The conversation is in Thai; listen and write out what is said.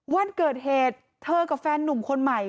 วันเกิดเหตุเธอกับแฟนนุ่มคนใหม่